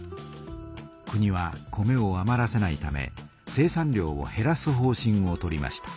国は米をあまらせないため生産量をへらす方しんを取りました。